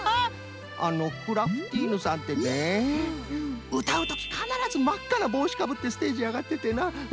あのクラフティーヌさんってねうたうときかならずまっかなぼうしかぶってステージあがっててなフフフ。